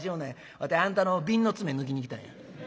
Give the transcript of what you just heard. わてあんたの瓶の詰め抜きに来たんや」。